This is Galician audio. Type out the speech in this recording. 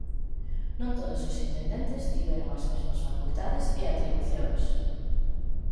Non todos os intendentes tiveron as mesmas facultades e atribucións.